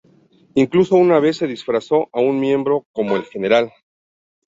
Incluso una vez se disfrazó a un miembro como el Gral.